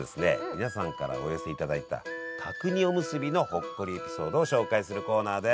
皆さんからお寄せいただいた角煮おむすびのほっこりエピソードを紹介するコーナーです！